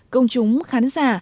công chúng khán giả